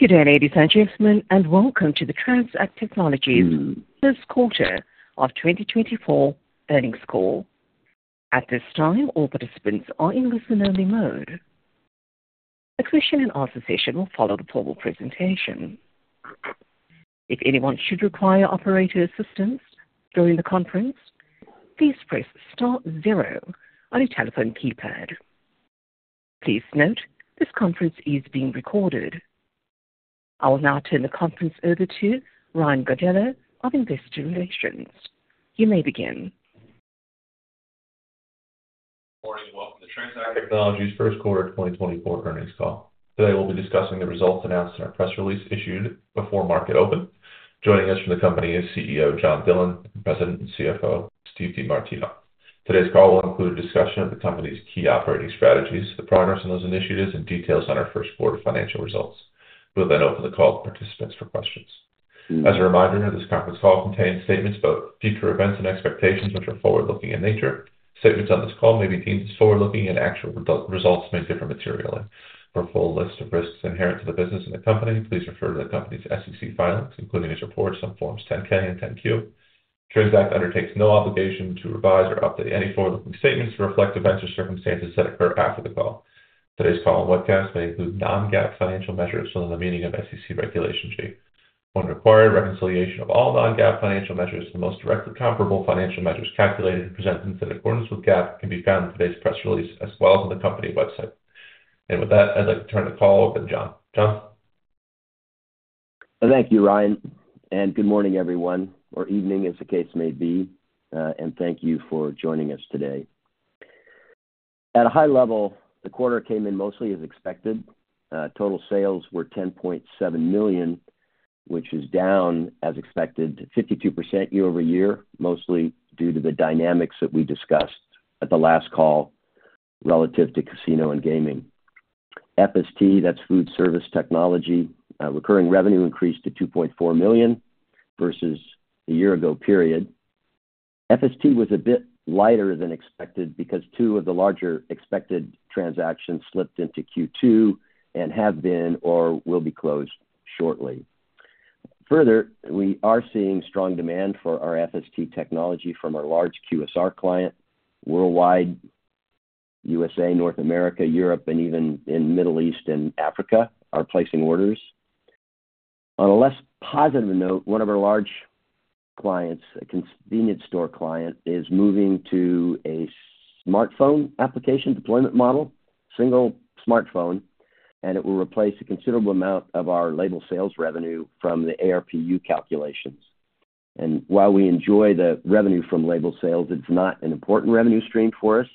Good day, ladies and gentlemen, and welcome to the TransAct Technologies first quarter of 2024 earnings call. At this time, all participants are in listen-only mode. A question-and-answer session will follow the formal presentation. If anyone should require operator assistance during the conference, please press star zero on your telephone keypad. Please note, this conference is being recorded. I will now turn the conference over to Ryan Gardella of Investor Relations. You may begin. Good morning and welcome to TransAct Technologies first quarter 2024 earnings call. Today we'll be discussing the results announced in our press release issued before market open. Joining us from the company is CEO John Dillon and President and CFO Steve DeMartino. Today's call will include a discussion of the company's key operating strategies, the progress on those initiatives, and details on our first quarter financial results. We will then open the call to participants for questions. As a reminder, this conference call contains statements about future events and expectations which are forward-looking in nature. Statements on this call may be deemed as forward-looking and actual results may differ materially. For a full list of risks inherent to the business and the company, please refer to the company's SEC filings, including its reports, some Form 10-K and Form 10-Q. TransAct undertakes no obligation to revise or update any forward-looking statements to reflect events or circumstances that occur after the call. Today's call and webcast may include non-GAAP financial measures showing the meaning of SEC Regulation G. When required, reconciliation of all non-GAAP financial measures to the most directly comparable financial measures calculated and presented in accordance with GAAP can be found in today's press release as well as on the company website. With that, I'd like to turn the call over to John. John? Well, thank you, Ryan, and good morning, everyone, or evening if the case may be, and thank you for joining us today. At a high level, the quarter came in mostly as expected. Total sales were $10.7 million, which is down, as expected, 52% year-over-year, mostly due to the dynamics that we discussed at the last call relative to casino and gaming. FST, that's Food Service Technology, recurring revenue increased to $2.4 million versus the year-ago period. FST was a bit lighter than expected because two of the larger expected transactions slipped into Q2 and have been or will be closed shortly. Further, we are seeing strong demand for our FST technology from our large QSR client. Worldwide, U.S.A., North America, Europe, and even in the Middle East and Africa are placing orders. On a less positive note, one of our large clients, a convenience store client, is moving to a smartphone application deployment model, single smartphone, and it will replace a considerable amount of our label sales revenue from the ARPU calculations. While we enjoy the revenue from label sales, it's not an important revenue stream for us.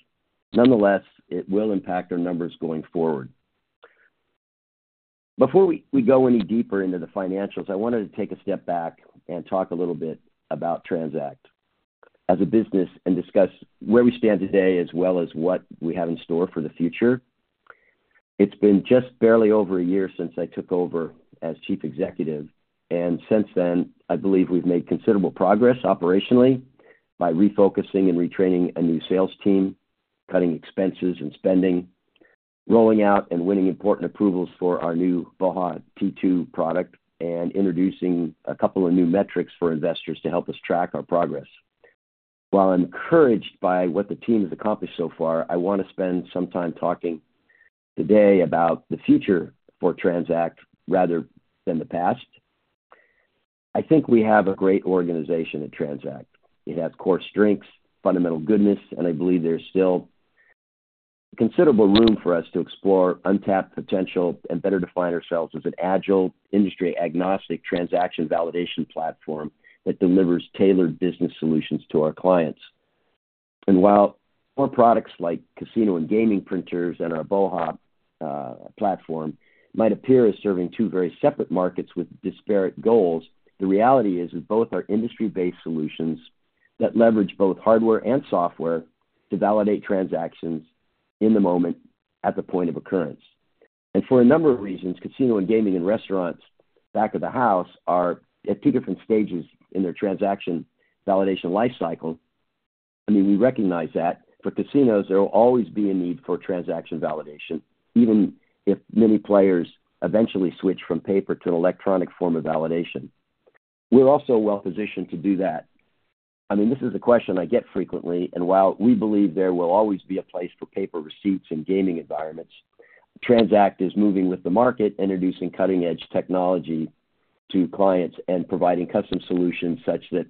Nonetheless, it will impact our numbers going forward. Before we go any deeper into the financials, I wanted to take a step back and talk a little bit about TransAct as a business and discuss where we stand today as well as what we have in store for the future. It's been just barely over a year since I took over as Chief Executive, and since then, I believe we've made considerable progress operationally by refocusing and retraining a new sales team, cutting expenses and spending, rolling out and winning important approvals for our new BOHA! T2 product, and introducing a couple of new metrics for investors to help us track our progress. While I'm encouraged by what the team has accomplished so far, I want to spend some time talking today about the future for TransAct rather than the past. I think we have a great organization at TransAct. It has core strengths, fundamental goodness, and I believe there's still considerable room for us to explore untapped potential and better define ourselves as an agile, industry-agnostic transaction validation platform that delivers tailored business solutions to our clients. And while more products like casino and gaming printers and our BOHA! platform might appear as serving two very separate markets with disparate goals, the reality is that both are industry-based solutions that leverage both hardware and software to validate transactions in the moment, at the point of occurrence. And for a number of reasons, casino and gaming and restaurants back of the house are at two different stages in their transaction validation lifecycle. I mean, we recognize that. For casinos, there will always be a need for transaction validation, even if many players eventually switch from paper to an electronic form of validation. We're also well-positioned to do that. I mean, this is a question I get frequently, and while we believe there will always be a place for paper receipts in gaming environments, TransAct is moving with the market, introducing cutting-edge technology to clients and providing custom solutions such that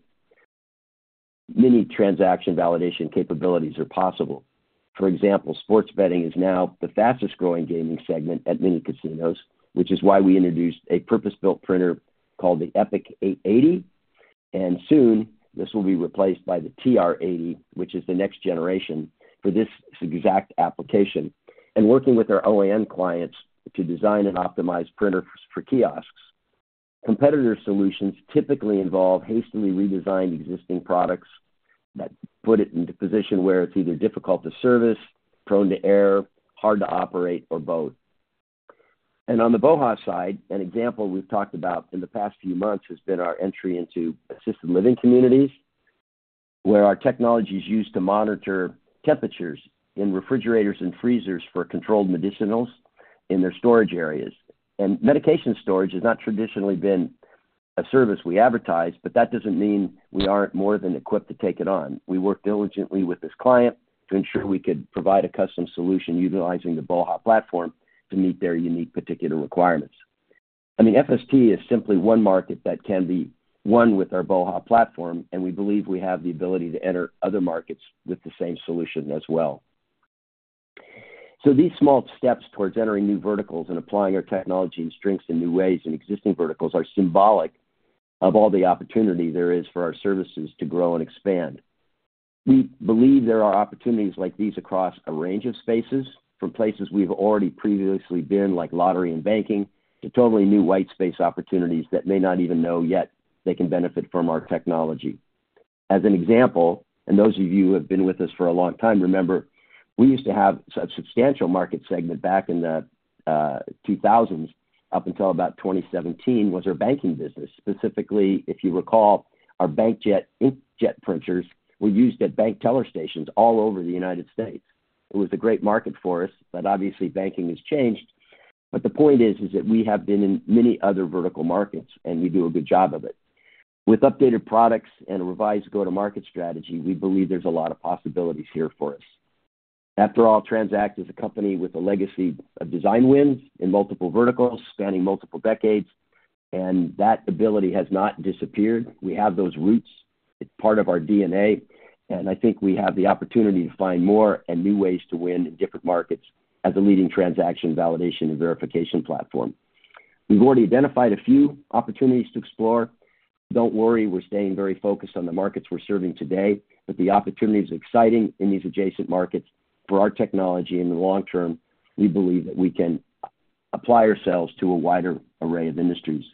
many transaction validation capabilities are possible. For example, sports betting is now the fastest-growing gaming segment at many casinos, which is why we introduced a purpose-built printer called the Epic 880, and soon this will be replaced by the TR80, which is the next generation for this exact application. And working with our OEM clients to design and optimize printers for kiosks, competitor solutions typically involve hastily redesigned existing products that put it into position where it's either difficult to service, prone to error, hard to operate, or both. On the BOHA! side, an example we've talked about in the past few months has been our entry into assisted living communities where our technology is used to monitor temperatures in refrigerators and freezers for controlled medicinals in their storage areas. Medication storage has not traditionally been a service we advertise, but that doesn't mean we aren't more than equipped to take it on. We work diligently with this client to ensure we could provide a custom solution utilizing the BOHA! platform to meet their unique particular requirements. I mean, FST is simply one market that can be won with our BOHA! platform, and we believe we have the ability to enter other markets with the same solution as well. So these small steps towards entering new verticals and applying our technology and strengths in new ways in existing verticals are symbolic of all the opportunity there is for our services to grow and expand. We believe there are opportunities like these across a range of spaces, from places we've already previously been, like lottery and banking, to totally new white space opportunities that may not even know yet they can benefit from our technology. As an example, and those of you who have been with us for a long time remember, we used to have a substantial market segment back in the 2000s up until about 2017 was our banking business. Specifically, if you recall, our BANKjet inkjet printers were used at bank teller stations all over the United States. It was a great market for us, but obviously, banking has changed. The point is that we have been in many other vertical markets, and we do a good job of it. With updated products and a revised go-to-market strategy, we believe there's a lot of possibilities here for us. After all, TransAct is a company with a legacy of design wins in multiple verticals spanning multiple decades, and that ability has not disappeared. We have those roots. It's part of our DNA, and I think we have the opportunity to find more and new ways to win in different markets as a leading transaction validation and verification platform. We've already identified a few opportunities to explore. Don't worry, we're staying very focused on the markets we're serving today, but the opportunity is exciting in these adjacent markets. For our technology in the long term, we believe that we can apply ourselves to a wider array of industries.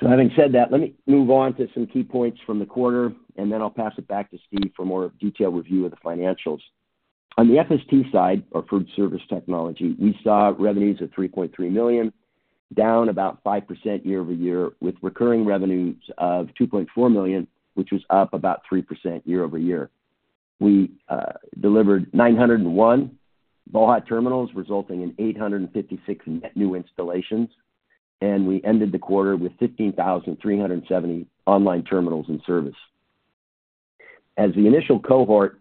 So having said that, let me move on to some key points from the quarter, and then I'll pass it back to Steve for more detailed review of the financials. On the FST side, or Food Service Technology, we saw revenues of $3.3 million, down about 5% year-over-year, with recurring revenues of $2.4 million, which was up about 3% year-over-year. We delivered 901 BOHA! terminals, resulting in 856 net new installations, and we ended the quarter with 15,370 online terminals in service. As the initial cohort,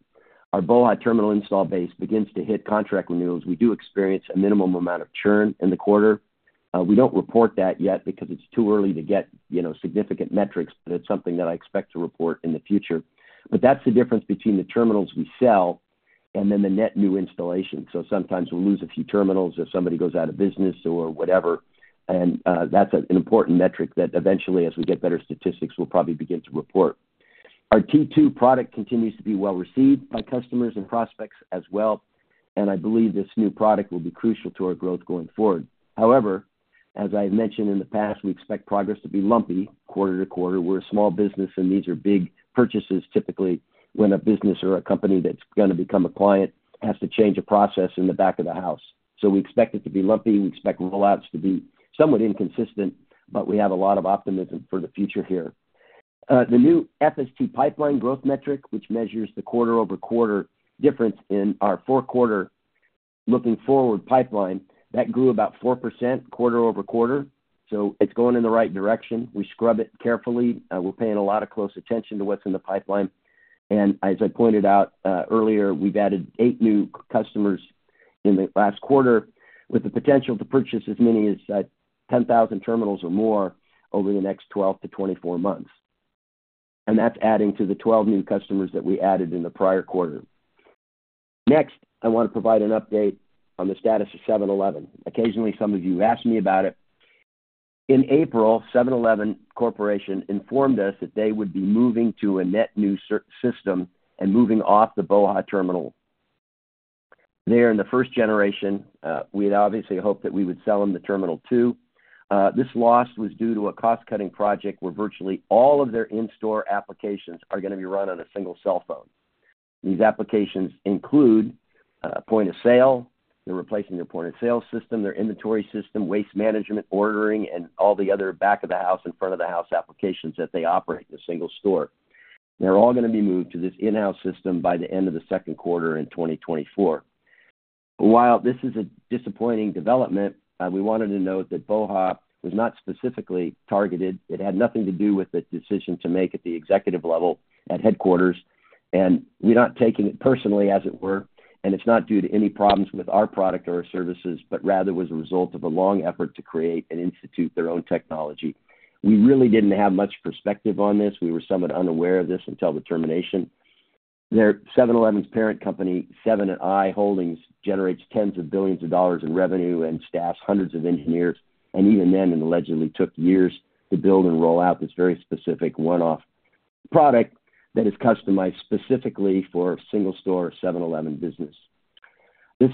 our BOHA! terminal install base begins to hit contract renewals, we do experience a minimum amount of churn in the quarter. We don't report that yet because it's too early to get significant metrics, but it's something that I expect to report in the future. But that's the difference between the terminals we sell and then the net new installations. So sometimes we'll lose a few terminals if somebody goes out of business or whatever, and that's an important metric that eventually, as we get better statistics, we'll probably begin to report. Our T2 product continues to be well-received by customers and prospects as well, and I believe this new product will be crucial to our growth going forward. However, as I have mentioned in the past, we expect progress to be lumpy quarter to quarter. We're a small business, and these are big purchases typically when a business or a company that's going to become a client has to change a process in the back of the house. So we expect it to be lumpy. We expect rollouts to be somewhat inconsistent, but we have a lot of optimism for the future here. The new FST pipeline growth metric, which measures the quarter-over-quarter difference in our four-quarter looking forward pipeline, that grew about 4% quarter-over-quarter. So it's going in the right direction. We scrub it carefully. We're paying a lot of close attention to what's in the pipeline. And as I pointed out earlier, we've added eight new customers in the last quarter with the potential to purchase as many as 10,000 terminals or more over the next 12-24 months. And that's adding to the 12 new customers that we added in the prior quarter. Next, I want to provide an update on the status of 7-Eleven. Occasionally, some of you ask me about it. In April, 7-Eleven Corporation informed us that they would be moving to a net new system and moving off the BOHA! Terminal. They are in the first generation. We had obviously hoped that we would sell them the Terminal 2. This loss was due to a cost-cutting project where virtually all of their in-store applications are going to be run on a single cell phone. These applications include point of sale. They're replacing their point of sale system, their inventory system, waste management, ordering, and all the other back-of-the-house and front-of-the-house applications that they operate in a single store. They're all going to be moved to this in-house system by the end of the second quarter in 2024. While this is a disappointing development, we wanted to note that BOHA! was not specifically targeted. It had nothing to do with the decision to make at the executive level at headquarters, and we're not taking it personally, as it were, and it's not due to any problems with our product or our services, but rather was a result of a long effort to create and institute their own technology. We really didn't have much perspective on this. We were somewhat unaware of this until the termination. 7-Eleven's parent company, Seven & i Holdings, generates tens of billions of dollars in revenue and staffs hundreds of engineers, and even then it allegedly took years to build and roll out this very specific one-off product that is customized specifically for a single-store 7-Eleven business. This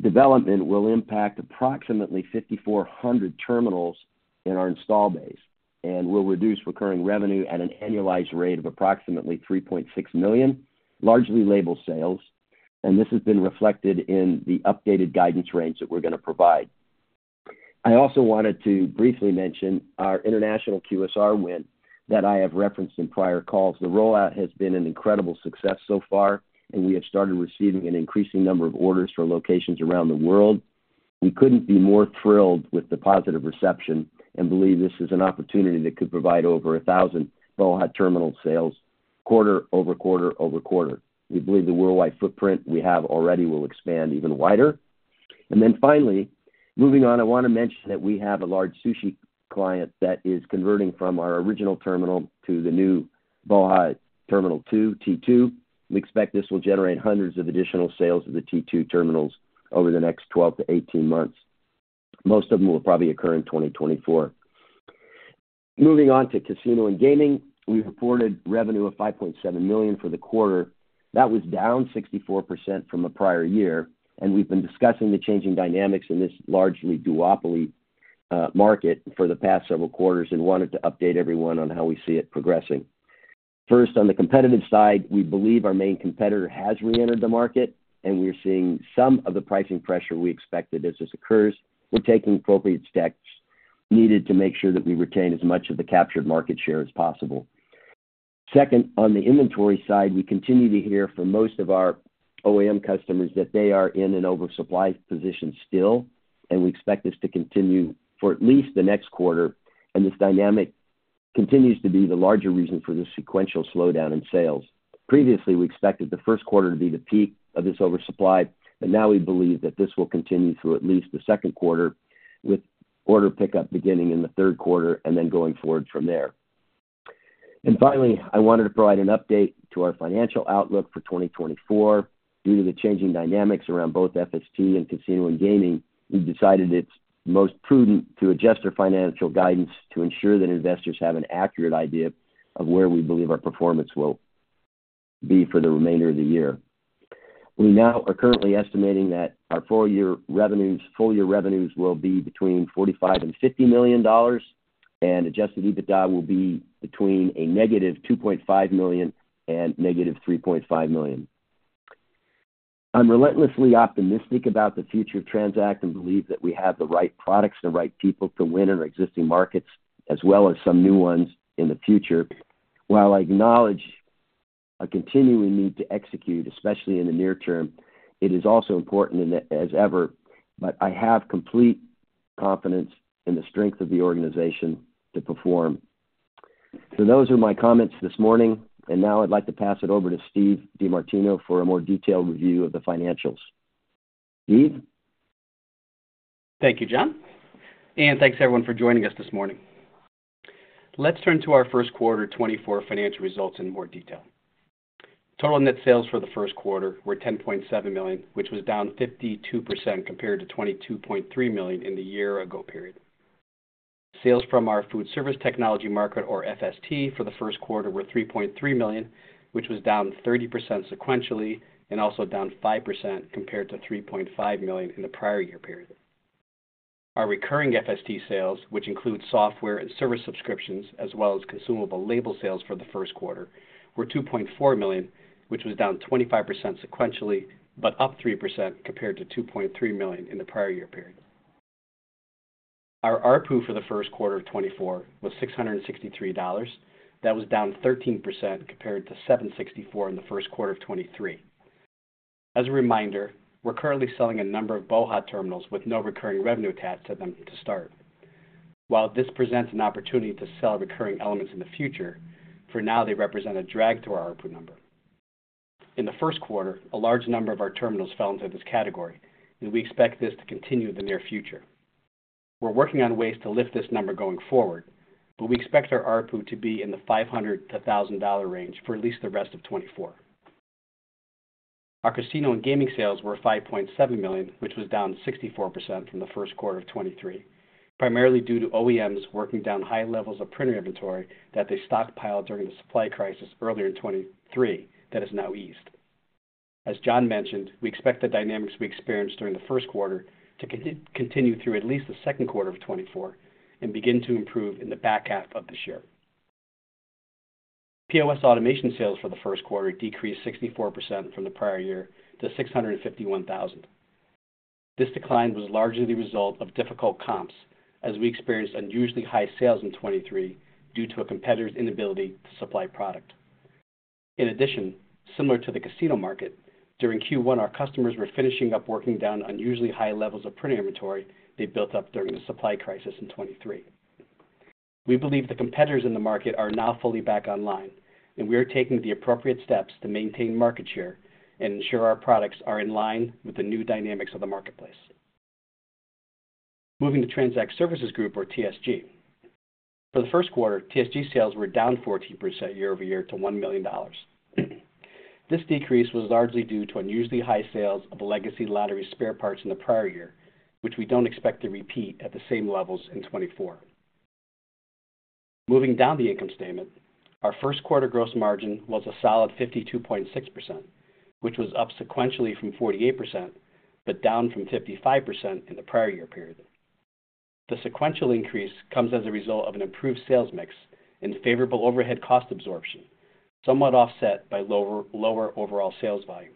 development will impact approximately 5,400 terminals in our install base and will reduce recurring revenue at an annualized rate of approximately $3.6 million, largely label sales, and this has been reflected in the updated guidance range that we're going to provide. I also wanted to briefly mention our international QSR win that I have referenced in prior calls. The rollout has been an incredible success so far, and we have started receiving an increasing number of orders for locations around the world. We couldn't be more thrilled with the positive reception and believe this is an opportunity that could provide over 1,000 BOHA! Terminal sales quarter-over-quarter. We believe the worldwide footprint we have already will expand even wider. Then finally, moving on, I want to mention that we have a large sushi client that is converting from our original terminal to the new BOHA! Terminal 2, T2. We expect this will generate hundreds of additional sales of the T2 terminals over the next 12-18 months. Most of them will probably occur in 2024. Moving on to casino and gaming, we reported revenue of $5.7 million for the quarter. That was down 64% from a prior year, and we've been discussing the changing dynamics in this largely duopoly market for the past several quarters and wanted to update everyone on how we see it progressing. First, on the competitive side, we believe our main competitor has reentered the market, and we're seeing some of the pricing pressure we expected as this occurs. We're taking appropriate steps needed to make sure that we retain as much of the captured market share as possible. Second, on the inventory side, we continue to hear from most of our OEM customers that they are in an oversupply position still, and we expect this to continue for at least the next quarter, and this dynamic continues to be the larger reason for this sequential slowdown in sales. Previously, we expected the first quarter to be the peak of this oversupply, but now we believe that this will continue through at least the second quarter, with order pickup beginning in the third quarter and then going forward from there. Finally, I wanted to provide an update to our financial outlook for 2024. Due to the changing dynamics around both FST and casino and gaming, we've decided it's most prudent to adjust our financial guidance to ensure that investors have an accurate idea of where we believe our performance will be for the remainder of the year. We now are currently estimating that our full-year revenues will be between $45 million and $50 million, and Adjusted EBITDA will be between -$2.5 million and -$3.5 million. I'm relentlessly optimistic about the future of TransAct and believe that we have the right products and the right people to win in our existing markets, as well as some new ones in the future. While I acknowledge a continuing need to execute, especially in the near term, it is also important as ever, but I have complete confidence in the strength of the organization to perform. So those are my comments this morning, and now I'd like to pass it over to Steve DeMartino for a more detailed review of the financials. Steve? Thank you, John, and thanks, everyone, for joining us this morning. Let's turn to our first quarter 2024 financial results in more detail. Total net sales for the first quarter were $10.7 million, which was down 52% compared to $22.3 million in the year-ago period. Sales from our Food Service Technology market, or FST, for the first quarter were $3.3 million, which was down 30% sequentially and also down 5% compared to $3.5 million in the prior year period. Our recurring FST sales, which include software and service subscriptions as well as consumable label sales for the first quarter, were $2.4 million, which was down 25% sequentially but up 3% compared to $2.3 million in the prior year period. Our ARPU for the first quarter of 2024 was $663. That was down 13% compared to $764 in the first quarter of 2023. As a reminder, we're currently selling a number of BOHA! terminals with no recurring revenue taxes to them to start. While this presents an opportunity to sell recurring elements in the future, for now, they represent a drag to our ARPU number. In the first quarter, a large number of our terminals fell into this category, and we expect this to continue in the near future. We're working on ways to lift this number going forward, but we expect our ARPU to be in the $500-$1,000 range for at least the rest of 2024. Our casino and gaming sales were $5.7 million, which was down 64% from the first quarter of 2023, primarily due to OEMs working down high levels of printer inventory that they stockpiled during the supply crisis earlier in 2023 that is now eased. As John mentioned, we expect the dynamics we experienced during the first quarter to continue through at least the second quarter of 2024 and begin to improve in the back half of this year. POS automation sales for the first quarter decreased 64% from the prior year to $651,000. This decline was largely the result of difficult comps as we experienced unusually high sales in 2023 due to a competitor's inability to supply product. In addition, similar to the casino market, during Q1, our customers were finishing up working down unusually high levels of printer inventory they built up during the supply crisis in 2023. We believe the competitors in the market are now fully back online, and we are taking the appropriate steps to maintain market share and ensure our products are in line with the new dynamics of the marketplace. Moving to TransAct Services Group, or TSG. For the first quarter, TSG sales were down 14% year-over-year to $1 million. This decrease was largely due to unusually high sales of legacy lottery spare parts in the prior year, which we don't expect to repeat at the same levels in 2024. Moving down the income statement, our first quarter gross margin was a solid 52.6%, which was up sequentially from 48% but down from 55% in the prior year period. The sequential increase comes as a result of an improved sales mix and favorable overhead cost absorption, somewhat offset by lower overall sales volume.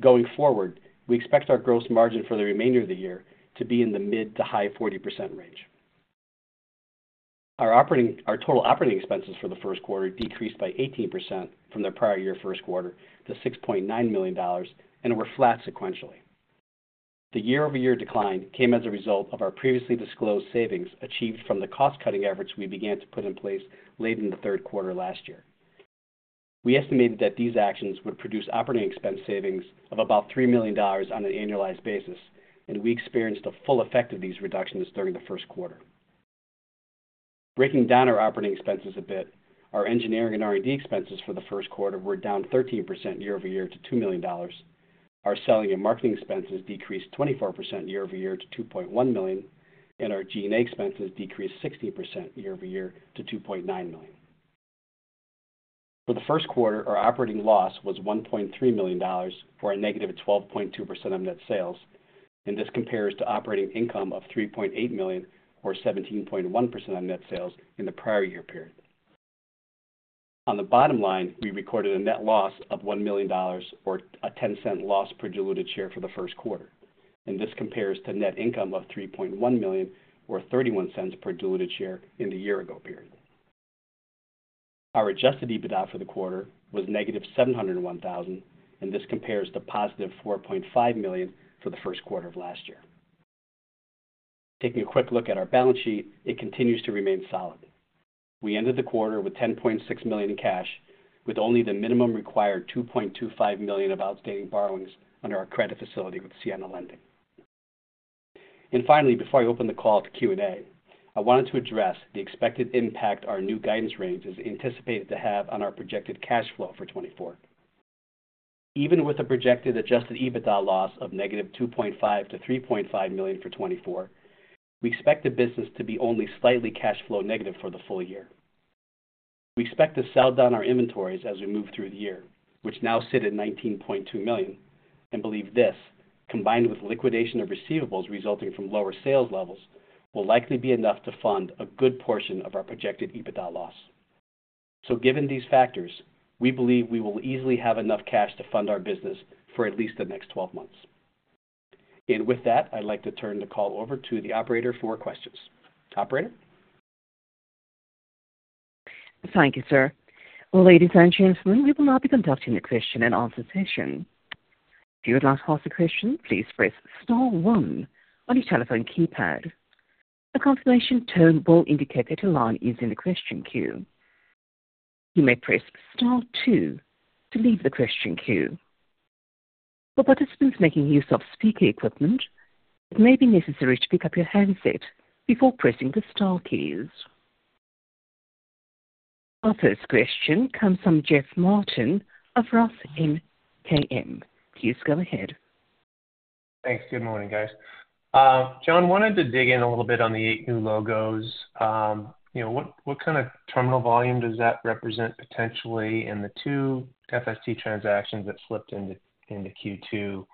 Going forward, we expect our gross margin for the remainder of the year to be in the mid- to high-40% range. Our total operating expenses for the first quarter decreased by 18% from their prior year first quarter to $6.9 million and were flat sequentially. The year-over-year decline came as a result of our previously disclosed savings achieved from the cost-cutting efforts we began to put in place late in the third quarter last year. We estimated that these actions would produce operating expense savings of about $3 million on an annualized basis, and we experienced a full effect of these reductions during the first quarter. Breaking down our operating expenses a bit, our engineering and R&D expenses for the first quarter were down 13% year-over-year to $2 million. Our selling and marketing expenses decreased 24% year-over-year to $2.1 million, and our G&A expenses decreased 16% year-over-year to $2.9 million. For the first quarter, our operating loss was $1.3 million or a -12.2% of net sales, and this compares to operating income of $3.8 million or 17.1% of net sales in the prior year period. On the bottom line, we recorded a net loss of $1 million or a $0.10 loss per diluted share for the first quarter, and this compares to net income of $3.1 million or $0.31 per diluted share in the year-ago period. Our Adjusted EBITDA for the quarter was -$701,000, and this compares to +$4.5 million for the first quarter of last year. Taking a quick look at our balance sheet, it continues to remain solid. We ended the quarter with $10.6 million in cash, with only the minimum required $2.25 million of outstanding borrowings under our credit facility with Siena Lending. And finally, before I open the call to Q&A, I wanted to address the expected impact our new guidance range is anticipated to have on our projected cash flow for 2024. Even with a projected Adjusted EBITDA loss of -$2.5 million to -$3.5 million for 2024, we expect the business to be only slightly cash flow negative for the full year. We expect to sell down our inventories as we move through the year, which now sit at $19.2 million, and believe this, combined with liquidation of receivables resulting from lower sales levels, will likely be enough to fund a good portion of our projected EBITDA loss. So given these factors, we believe we will easily have enough cash to fund our business for at least the next 12 months. And with that, I'd like to turn the call over to the operator for questions. Operator? Thank you, sir. Ladies and gentlemen, we will now be conducting a question-and-answer session. If you would like to ask a question, please press star one on your telephone keypad. The confirmation tone will indicate your line is in the question queue. You may press star two to leave the question queue. For participants making use of speaker equipment, it may be necessary to pick up your handset before pressing the star keys. Our first question comes from Jeff Martin of Roth MKM. Please go ahead. Thanks. Good morning, guys. John, wanted to dig in a little bit on the eight new logos. What kind of terminal volume does that represent potentially in the two FST transactions that flipped into Q2?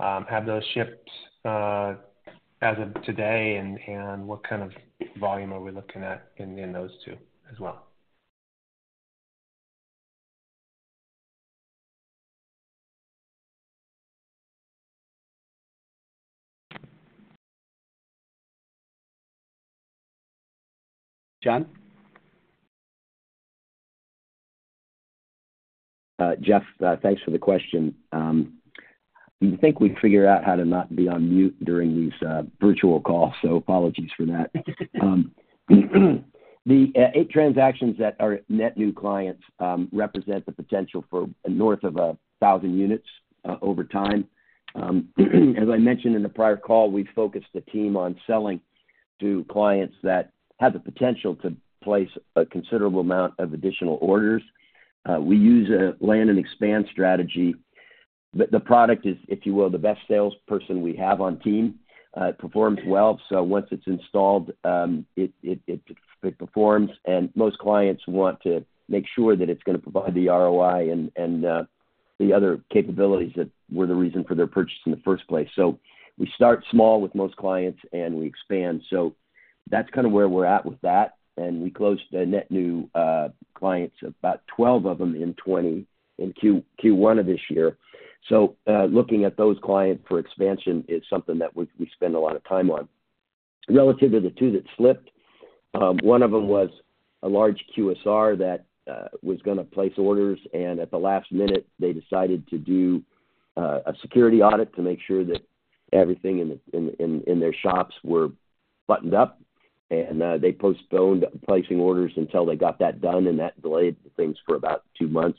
Have those shipped as of today, and what kind of volume are we looking at in those two as well? John? Jeff, thanks for the question. You'd think we'd figure out how to not be on mute during these virtual calls, so apologies for that. The eight transactions that are net new clients represent the potential for north of 1,000 units over time. As I mentioned in the prior call, we've focused the team on selling to clients that have the potential to place a considerable amount of additional orders. We use a land and expand strategy. The product is, if you will, the best salesperson we have on team. It performs well, so once it's installed, it performs, and most clients want to make sure that it's going to provide the ROI and the other capabilities that were the reason for their purchase in the first place. So we start small with most clients, and we expand. That's kind of where we're at with that, and we closed net new clients, about 12 of them in 2020, in Q1 of this year. Looking at those clients for expansion is something that we spend a lot of time on. Relative to the two that slipped, one of them was a large QSR that was going to place orders, and at the last minute, they decided to do a security audit to make sure that everything in their shops were buttoned up, and they postponed placing orders until they got that done, and that delayed things for about two months.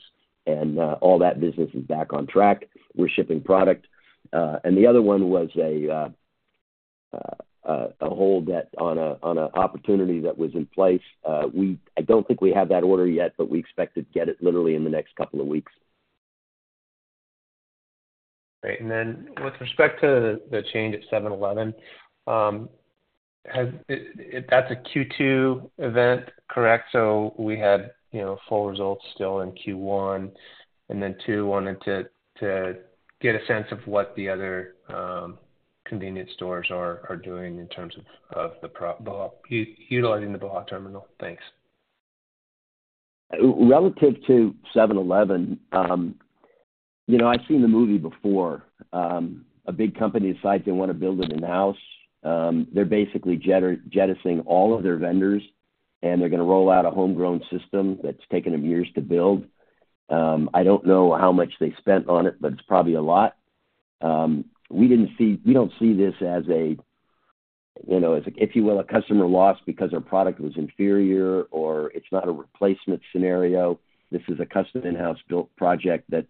All that business is back on track. We're shipping product. The other one was a hold on an opportunity that was in place. I don't think we have that order yet, but we expect to get it literally in the next couple of weeks. Great. Then with respect to the change at 7-Eleven, that's a Q2 event, correct? We had full results still in Q1, and then I wanted to get a sense of what the other convenience stores are doing in terms of utilizing the BOHA! Terminal. Thanks. Relative to 7-Eleven, I've seen the movie before. A big company decides they want to build it in-house. They're basically jettisoning all of their vendors, and they're going to roll out a homegrown system that's taken them years to build. I don't know how much they spent on it, but it's probably a lot. We don't see this as a, if you will, a customer loss because our product was inferior or it's not a replacement scenario. This is a custom-in-house-built project that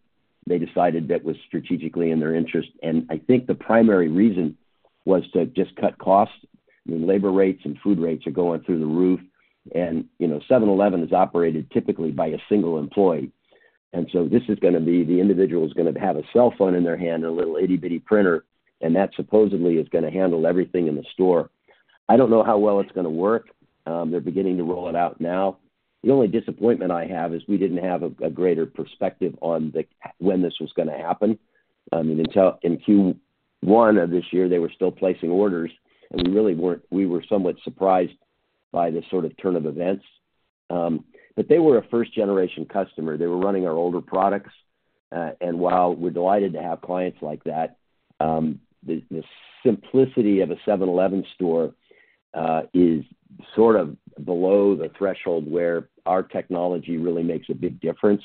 they decided that was strategically in their interest. And I think the primary reason was to just cut costs. I mean, labor rates and food rates are going through the roof, and 7-Eleven is operated typically by a single employee. And so this is going to be the individual is going to have a cell phone in their hand and a little itty-bitty printer, and that supposedly is going to handle everything in the store. I don't know how well it's going to work. They're beginning to roll it out now. The only disappointment I have is we didn't have a greater perspective on when this was going to happen. I mean, in Q1 of this year, they were still placing orders, and we were somewhat surprised by this sort of turn of events. But they were a first-generation customer. They were running our older products. And while we're delighted to have clients like that, the simplicity of a 7-Eleven store is sort of below the threshold where our technology really makes a big difference.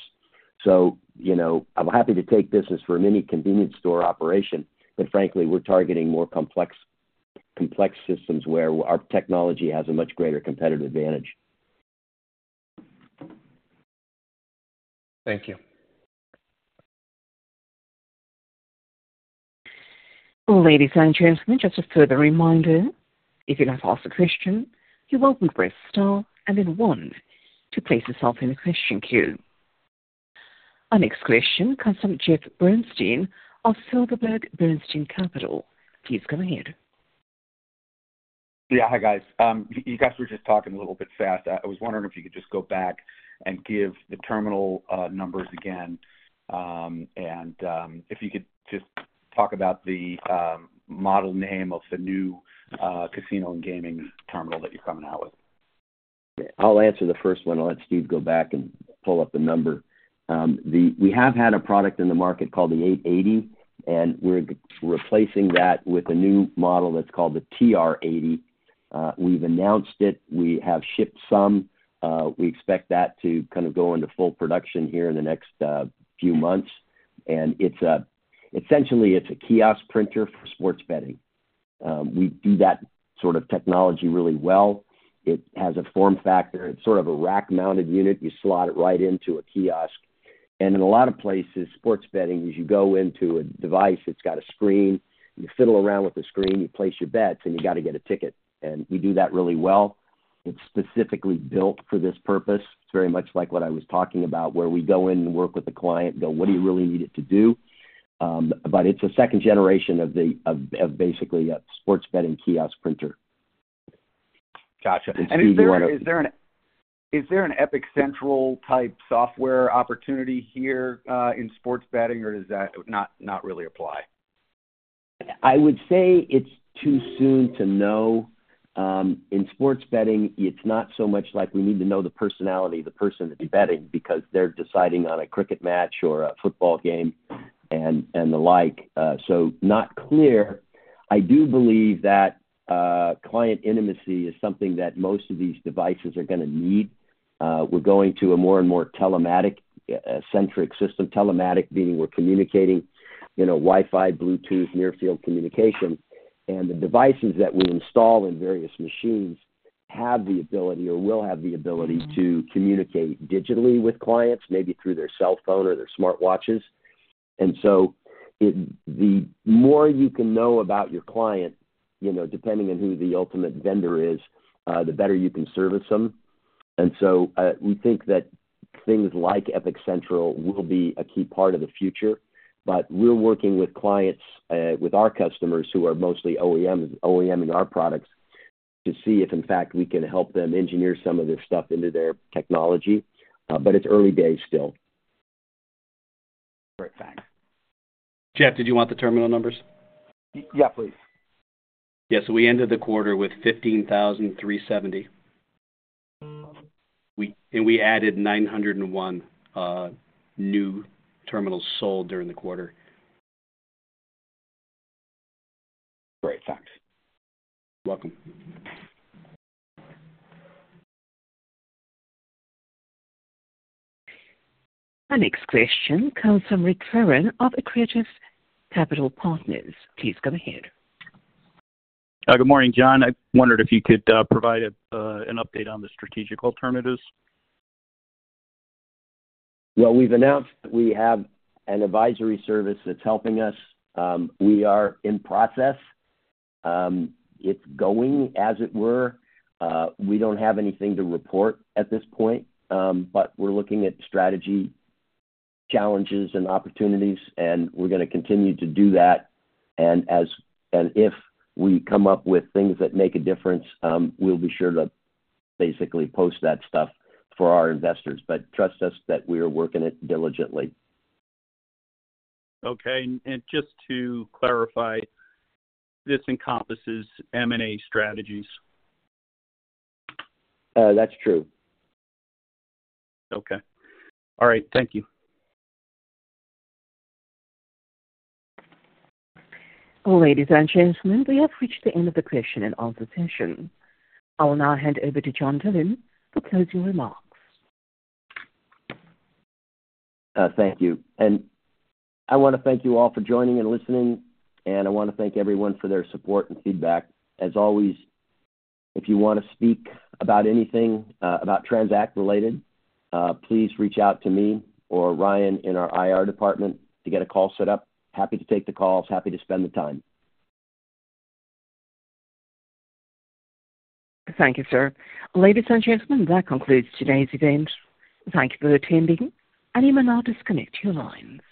I'm happy to take business for a mini convenience store operation, but frankly, we're targeting more complex systems where our technology has a much greater competitive advantage. Thank you. Ladies and gentlemen, just a further reminder, if you'd like to ask a question, you're welcome to press star and then one to place yourself in the question queue. Our next question comes from Jeff Bernstein of Silverberg Bernstein Capital. Please go ahead. Yeah. Hi, guys. You guys were just talking a little bit fast. I was wondering if you could just go back and give the terminal numbers again, and if you could just talk about the model name of the new casino and gaming terminal that you're coming out with. I'll answer the first one. I'll let Steve go back and pull up the number. We have had a product in the market called the 880, and we're replacing that with a new model that's called the TR80. We've announced it. We have shipped some. We expect that to kind of go into full production here in the next few months. And essentially, it's a kiosk printer for sports betting. We do that sort of technology really well. It has a form factor. It's sort of a rack-mounted unit. You slot it right into a kiosk. And in a lot of places, sports betting, as you go into a device, it's got a screen. You fiddle around with the screen. You place your bets, and you've got to get a ticket. And we do that really well. It's specifically built for this purpose. It's very much like what I was talking about where we go in and work with the client, go, "What do you really need it to do?" But it's a second generation of basically a sports betting kiosk printer. Gotcha. And do you want to. Is there an Epicentral-type software opportunity here in sports betting, or does that not really apply? I would say it's too soon to know. In sports betting, it's not so much like we need to know the personality, the person that you're betting, because they're deciding on a cricket match or a football game and the like. So not clear. I do believe that client intimacy is something that most of these devices are going to need. We're going to a more and more telematic-centric system, telematic meaning we're communicating Wi-Fi, Bluetooth, near-field communication. And the devices that we install in various machines have the ability or will have the ability to communicate digitally with clients, maybe through their cell phone or their smartwatches. And so the more you can know about your client, depending on who the ultimate vendor is, the better you can service them. And so we think that things like Epicentral will be a key part of the future. But we're working with our customers who are mostly OEMs in our products to see if, in fact, we can help them engineer some of this stuff into their technology. But it's early days still. Great. Thanks. Jeff, did you want the terminal numbers? Yeah, please. Yeah. So we ended the quarter with 15,370, and we added 901 new terminals sold during the quarter. Great. Thanks. You're welcome. Our next question comes from Rick Fearon of Accretive Capital Partners. Please go ahead. Good morning, John. I wondered if you could provide an update on the strategic alternatives? Well, we've announced that we have an advisory service that's helping us. We are in process. It's going, as it were. We don't have anything to report at this point, but we're looking at strategy challenges and opportunities, and we're going to continue to do that. And if we come up with things that make a difference, we'll be sure to basically post that stuff for our investors. But trust us that we are working it diligently. Okay. Just to clarify, this encompasses M&A strategies. That's true. Okay. All right. Thank you. Ladies and gentlemen, we have reached the end of the question and answer session. I will now hand over to John Dillon for closing remarks. Thank you. I want to thank you all for joining and listening, and I want to thank everyone for their support and feedback. As always, if you want to speak about anything about TransAct-related, please reach out to me or Ryan in our IR department to get a call set up. Happy to take the calls. Happy to spend the time. Thank you, sir. Ladies and gentlemen, that concludes today's event. Thank you for attending, and you may now disconnect your lines.